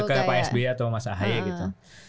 ke pak s b a atau mas ahaya gitu